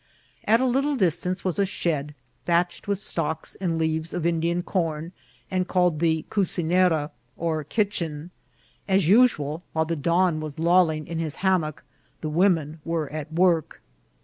At a little distance was a shed thatched with stalks and leaves of Indian corn, and called the cucineray or kitch en. As usual, while the don was lolling in his ham mock, the women were at work.